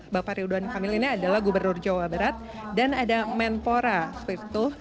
bapak ridwan kamil ini adalah gubernur jawa barat dan ada menpora seperti itu